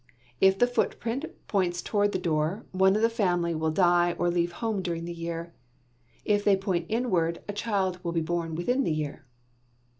If the footprint points towards the door, one of the family will die or leave home during the year. If they point inward, a child will be born within the year.